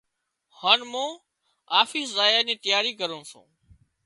هانَ مُون آفيس زايا نِي تياري ڪروُن سُون۔